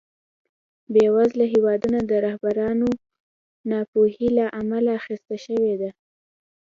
بېوزله هېوادونه د رهبرانو ناپوهۍ له امله اخته شوي دي.